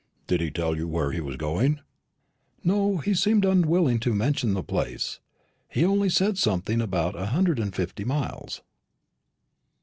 "Did he tell you where he was going?" "No; he seemed unwilling to mention the place. He only said something about a hundred and fifty miles."